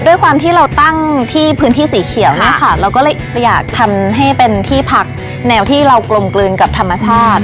ด้วยความที่เราตั้งที่พื้นที่สีเขียวเนี่ยค่ะเราก็เลยอยากทำให้เป็นที่พักแนวที่เรากลมกลืนกับธรรมชาติ